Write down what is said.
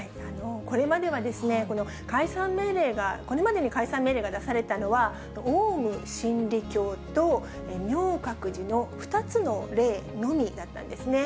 これまでは、この解散命令が、これまでに解散命令が出されたのは、オウム真理教と明覚寺の２つの例のみだったんですね。